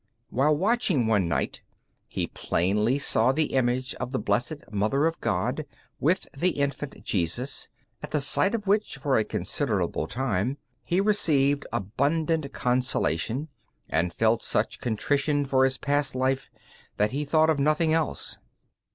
While watching one night he plainly saw the image of the Blessed Mother of God with the Infant Jesus, at the sight of which, for a considerable time, he received abundant consolation, and felt such contrition for his past life that he thought of nothing else.